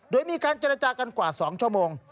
โดยมีการเจรจากันกว่า๒ชั่วโมง